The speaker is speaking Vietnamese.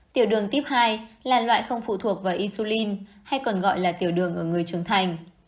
tiểu đường tuyếp hai là loại không phụ thuộc vào insulin hay còn gọi là tiểu đường ở người trưởng thành